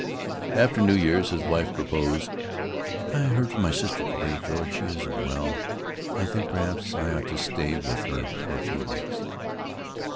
After New Year's his wife proposed, "I heard from my sister to day, George. She isn't well. I think perhaps I ought to go stay with her for a few weeks."